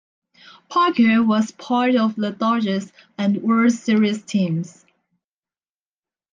Parker was part of the Dodgers' and World Series teams.